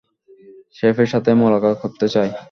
শেফের সাথে মোলাকাত করতে চাই।